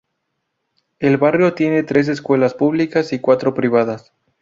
El barrio tiene tres escuelas públicas y cuatro privadas.